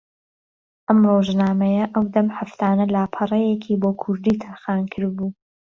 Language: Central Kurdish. ئەم ڕۆژنامەیە ئەودەم ھەفتانە لاپەڕەیەکی بۆ کوردی تەرخان کردبوو